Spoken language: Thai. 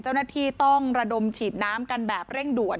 เจ้าหน้าที่ต้องระดมฉีดน้ำกันแบบเร่งด่วน